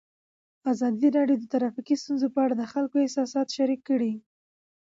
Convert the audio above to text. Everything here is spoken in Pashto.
ازادي راډیو د ټرافیکي ستونزې په اړه د خلکو احساسات شریک کړي.